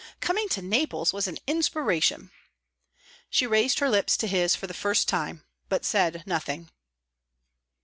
"Coming to Naples was an inspiration." She raised her lips to his for the first time, but said nothing.